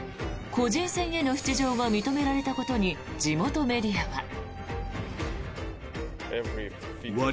個人戦への出場は認められたことに地元メディアは。